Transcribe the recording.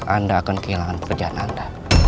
anda akan kehilangan pekerjaan anda